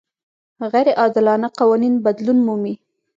غیر عادلانه قوانین بدلون مومي.